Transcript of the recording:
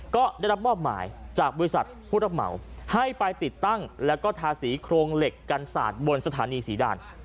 ก็ได้รับมอบหมายจากบริษัทผู้รับเหมาให้ไปติดตั้งแล้วก็ทาสีโครงเหล็กกันศาสตร์บนสถานีศรีด่าน